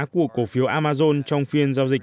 của cổ phiếu amazon trong phiên giao dịch